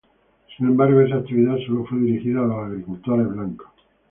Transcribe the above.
Sin embargo esa actividad solo fue dirigida a los agricultores blancos.